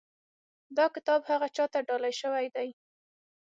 دا کتاب هغه چا ته ډالۍ شوی دی.